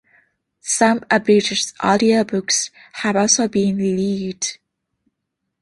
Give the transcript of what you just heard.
Some abridged audiobooks have also been released.